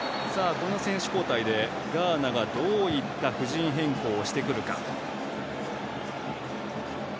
選手交代でガーナがどういった布陣変更をしてくるか。